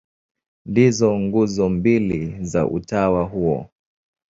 Ndizo nguzo mbili za utawa huo.